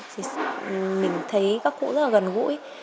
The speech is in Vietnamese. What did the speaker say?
thì mình thấy các cụ rất là gần gũi